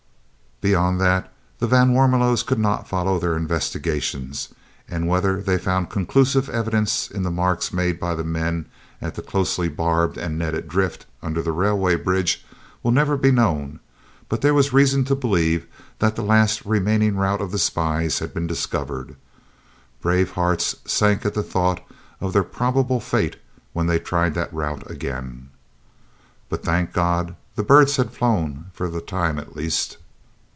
Beyond that the van Warmelos could not follow their investigations, and whether they found conclusive evidence in the marks made by the men at the closely barbed and netted drift, under the railway bridge, will never be known, but there was reason to believe that the last remaining route of the spies had been discovered. Brave hearts sank at the thought of their probable fate when they tried that route again. But, thank God! the birds had flown for the time at least.